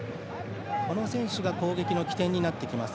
この選手が攻撃の起点になってきます。